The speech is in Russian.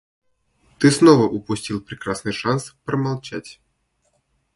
Ты снова упустил прекрасный шанс промолчать.